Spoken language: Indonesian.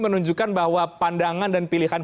menunjukkan bahwa pandangan dan pilihan